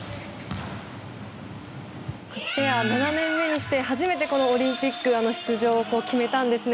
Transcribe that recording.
ペア７年目にして初めてオリンピック出場を決めたんですね。